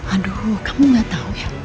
aduh kamu gak tahu ya